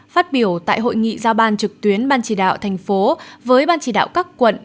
phát biểu tại hội nghị giao ban trực tuyến ban chỉ đạo thành phố với ban chỉ đạo các quận